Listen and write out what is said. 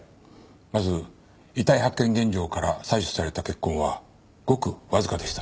まず遺体発見現場から採取された血痕はごくわずかでした。